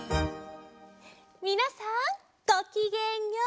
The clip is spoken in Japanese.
みなさんごきげんよう！